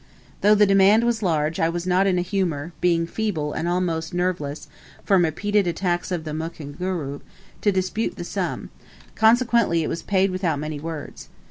Though the demand was large, I was not in a humour being feeble, and almost nerveless, from repeated attacks of the Mukunguru to dispute the sum: consequently it was paid without many words.